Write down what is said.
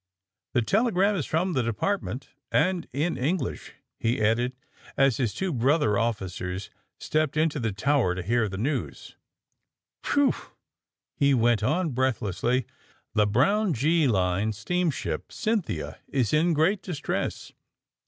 ^^The telegram is from the Department, and in English," he added, as his two brother offi cers stepped into the tower to hear the news. ^^Whew!" he went on breathlessly. ''The Brown Gr line steamship, 'Cynthia,' is in great distress.